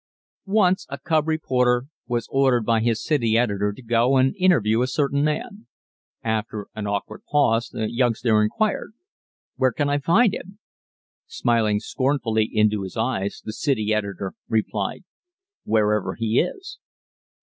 Once a cub reporter was ordered by his city editor to go and interview a certain man. After an awkward pause the youngster inquired: "Where can I find him?" Smiling scornfully into his eyes the city editor replied: "Wherever he is."